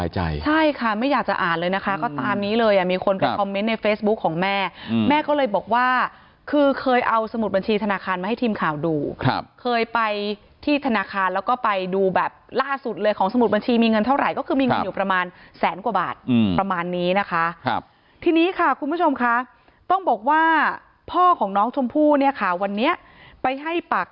ใช่ค่ะไม่อยากจะอ่านเลยนะคะก็ตามนี้เลยอ่ะมีคนไปคอมเมนต์ในเฟซบุ๊คของแม่แม่ก็เลยบอกว่าคือเคยเอาสมุดบัญชีธนาคารมาให้ทีมข่าวดูครับเคยไปที่ธนาคารแล้วก็ไปดูแบบล่าสุดเลยของสมุดบัญชีมีเงินเท่าไหร่ก็คือมีเงินอยู่ประมาณแสนกว่าบาทประมาณนี้นะคะครับทีนี้ค่ะคุณผู้ชมค่ะต้องบอกว่าพ่อของน้องชมพู่เนี่ยค่ะวันนี้ไปให้ปาก